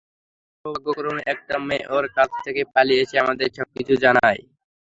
কিন্তু সৌভাগ্যক্রমে, একটা মেয়ে ওর কাছ থেকে পালিয়ে এসে আমাদের সবকিছু জানায়।